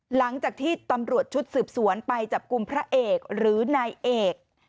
หลังจากที่ตำรวจชุดสืบสวนไปจับกลุ่มพระเอกหรือนายเอก